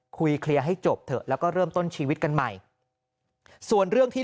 เคลียร์ให้จบเถอะแล้วก็เริ่มต้นชีวิตกันใหม่ส่วนเรื่องที่